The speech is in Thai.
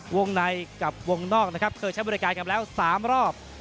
วงในกับวงนอกนะครับเคยใช้บริการกันแล้ว๓รอบ